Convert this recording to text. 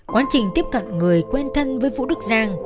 quá trình tiếp cận người quen thân với vũ đức giang